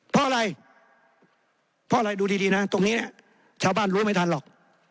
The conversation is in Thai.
เพราะอะไรดูดีนะตรงนี้ชาวบ้านรู้ไม่ทันหรอก